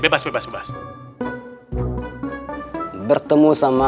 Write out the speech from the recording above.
bertemu sama seseorang yang nyebelin